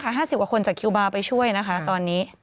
๕๐กว่าคนจากคิวบาร์ไปช่วยนะคะตอนนี้